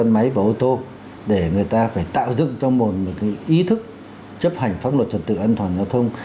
máy và ô tô để người ta phải tạo dựng cho mình một ý thức chấp hành pháp luật trật tự an toàn giao thông